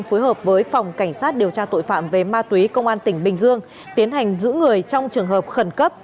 phối hợp với phòng cảnh sát điều tra tội phạm về ma túy công an tỉnh bình dương tiến hành giữ người trong trường hợp khẩn cấp